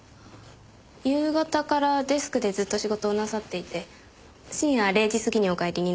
夕方からデスクでずっと仕事をなさっていて深夜０時過ぎにお帰りになりました。